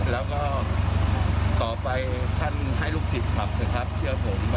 แล้วก็ต่อไปท่านให้ลูกศิษย์ขับเถอะครับเชื่อผม